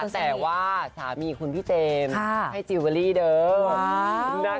แต่ว่าสามีคุณพี่เจมส์ให้จิลเวอรี่เดิม